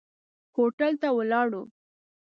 هوټل ته ولاړو.